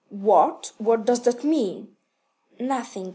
"What! What does that mean?" "Nothing.